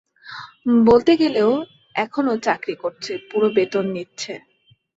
বলতে গেলে ও এখনো চাকরি করছে, পুরো বেতন নিচ্ছে।